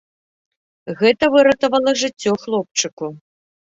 Гэта выратавала жыццё хлопчыку.